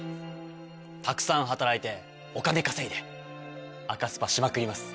たくさん働いてお金稼いで赤スパしまくります。